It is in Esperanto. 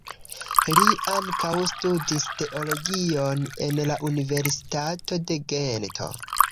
Li ankaŭ studis teologion en la Universitato de Gento.